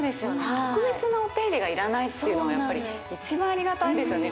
特別なお手入れがいらないのが一番ありがたいですよね